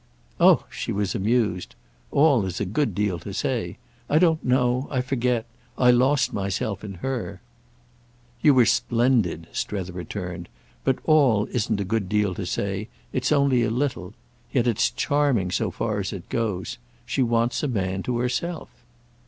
"Oh"—she was amused—"'all' is a good deal to say. I don't know—I forget. I lost myself in her." "You were splendid," Strether returned—"but 'all' isn't a good deal to say: it's only a little. Yet it's charming so far as it goes. She wants a man to herself."